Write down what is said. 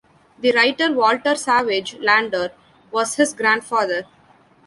The writer Walter Savage Landor was his grandfather.